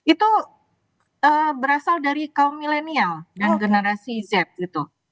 itu berasal dari kaum milenial dan generasi z gitu